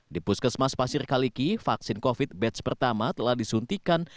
di puskesmas pasir kaliki vaksin covid sembilan belas batch pertama telah disuntikan